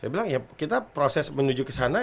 saya bilang ya kita proses menuju kesana